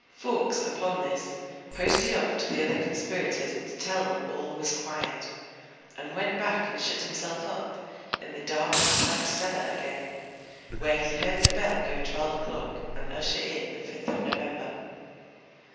Fawkes, upon this, posted off to the other conspirators to tell them all was quiet, and went back and shut himself up in the dark, black cellar again, where he heard the bell go twelve o'clock and usher in the fifth of November.